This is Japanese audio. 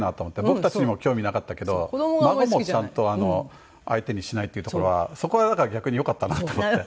僕たちにも興味なかったけど孫もちゃんと相手にしないっていうところはそこはだから逆によかったなと思って。